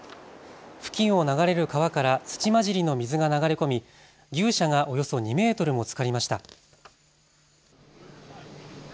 付近を流れる川から土まじりの水が流れ込み牛舎がおよそ２メートルもつかりました。